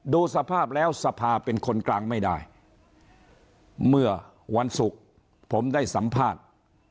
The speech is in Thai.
ดูสภาพแล้วสภาเป็นคนกลางไม่ได้เมื่อวันศุกร์ผมได้สัมภาษณ์